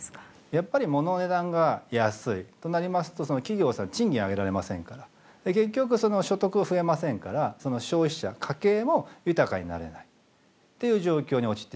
やっぱりものの値段が安いとなりますと企業さん賃金上げられませんから結局所得増えませんから消費者家計も豊かになれないっていう状況に陥ってしまった。